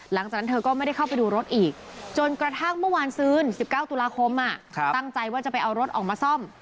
หลังจากนั้นเธอก็ไม่ได้เข้าไปดูรถอีกจนกระทั่งเมื่อวานซื้น๑๙ตุลาคมตั้งใจว่าจะไปเอารถออกมาซ่อม